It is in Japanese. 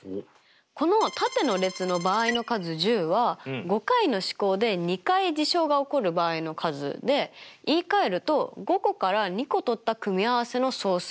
この縦の列の場合の数１０は５回の試行で２回事象が起こる場合の数で言いかえると５個から２個取った組み合わせの総数。